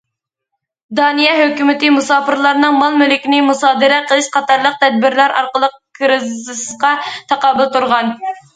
دانىيە ھۆكۈمىتى مۇساپىرلارنىڭ مال مۈلكىنى مۇسادىرە قىلىش قاتارلىق تەدبىرلەر ئارقىلىق كىرىزىسقا تاقابىل تۇرغان.